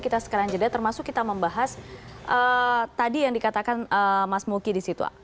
kita sekarang jeda termasuk kita membahas tadi yang dikatakan mas muki disitu